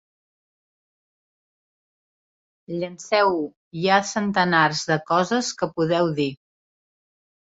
Llenceu-ho, hi ha centenars de coses que podeu dir.